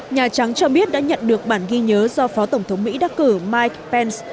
nhà trắng cho biết đã nhận được bản ghi nhớ do phó tổng thống mỹ đắc cử mike pence